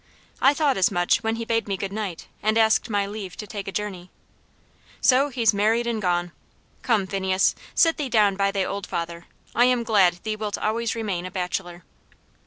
"I thought as much, when he bade me goodnight, and asked my leave to take a journey. So he's married and gone! Come, Phineas, sit thee down by thy old father; I am glad thee wilt always remain a bachelor."